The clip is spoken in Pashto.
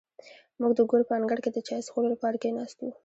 موږ د کور په انګړ کې د چای څښلو لپاره کېناستو.